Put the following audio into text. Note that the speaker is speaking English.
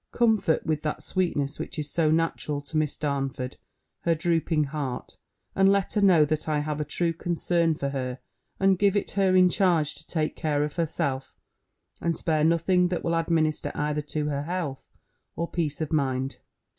Comfort, with that sweetness which is so natural to Miss Darnford, her drooping heart; and let her know, that I have a true concern for her, and give it her in charge to take care of herself, and spare nothing that will administer either to her health or peace of mind.